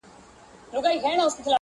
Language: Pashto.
• ړنګول مي معبدونه هغه نه یم -